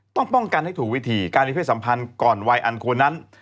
ต้องป้องกันให้ถูกวิธีการมีเพศสัมพันธ์ก่อนวัยอันควรนั้น